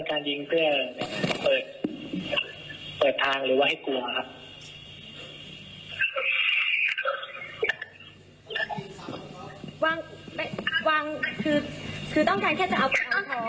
การยิงเพื่อเปิดทางหรือว่าให้กลัวครับ